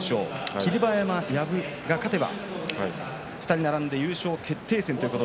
霧馬山が勝てば２人並んで優勝決定戦。